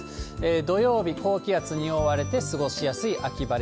土曜日、高気圧に覆われて過ごしやすい秋晴れ。